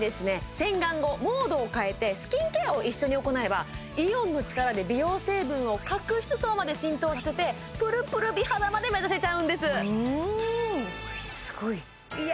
洗顔後モードを変えてスキンケアを一緒に行えばイオンの力で美容成分を角質層まで浸透させてプルプル美肌まで目指せちゃうんですいや